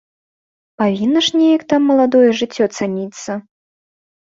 Павінна ж неяк там маладое жыццё цаніцца?